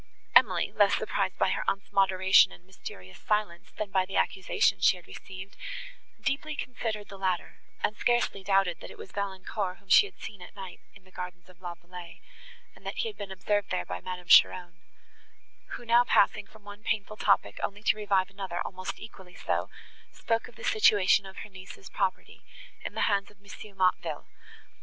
Emily, less surprised by her aunt's moderation and mysterious silence, than by the accusation she had received, deeply considered the latter, and scarcely doubted, that it was Valancourt whom she had seen at night in the gardens of La Vallée, and that he had been observed there by Madame Cheron; who now passing from one painful topic only to revive another almost equally so, spoke of the situation of her niece's property, in the hands of M. Motteville.